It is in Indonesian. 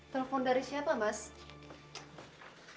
telepon dari siapa mas